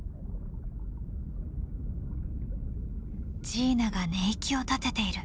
ジーナが寝息を立てている。